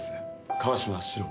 川島史郎。